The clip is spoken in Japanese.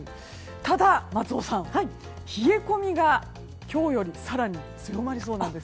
ただ、松尾さん、冷え込みが今日より更に強まりそうです。